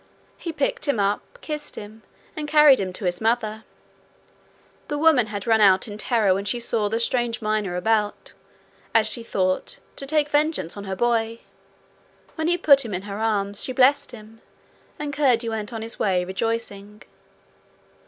He picked him up, kissed him, and carried him to his mother. The woman had run out in terror when she saw the strange miner about, as she thought, to take vengeance on her boy. When he put him in her arms, she blessed him, and Curdie went on his way rejoicing.